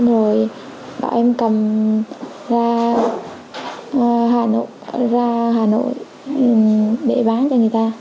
rồi bảo em cầm ra hà nội để bán cho người ta